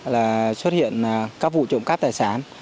là xuất hiện các vụ trộm cắp tài sản